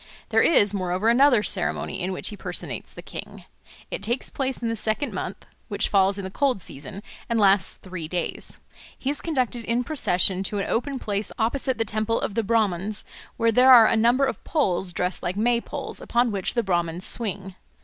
There is moreover another ceremony in which he personates the king. It takes place in the second month (which falls in the cold season) and lasts three days. He is conducted in procession to an open place opposite the Temple of the Brahmans, where there are a number of poles dressed like May poles, upon which the Brahmans swing.